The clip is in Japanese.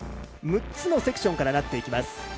６つのセクションからなっていきます。